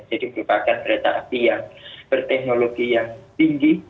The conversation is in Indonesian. jadi merupakan kereta api yang berteknologi yang tinggi